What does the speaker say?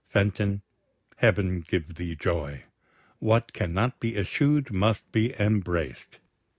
Fenton, Heaven give thee joy! What cannot be eschew'd must be embrac'd!